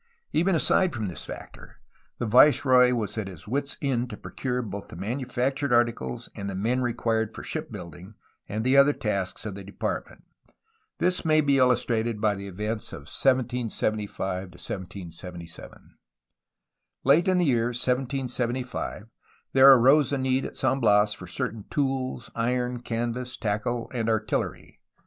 But, even aside from this factor, the viceroy was at his wit's end to procure both the manufactured articles and the men required for shipbuilding and the other tasks of the Depart ment. This may be illustrated by the events of 1775 1777. Late in the year 1775 there arose a need at San Bias for certain tools, iron, canvas, tackle, and artillery.